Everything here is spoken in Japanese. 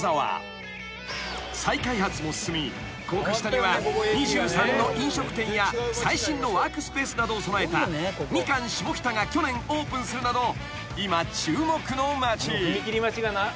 ［再開発も進み高架下には２３の飲食店や最新のワークスペースなどを備えたミカン下北が去年オープンするなど今注目の街］